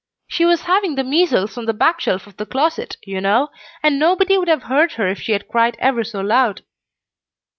She was having the measles on the back shelf of the closet, you know, and nobody would have heard her if she had cried ever so loud."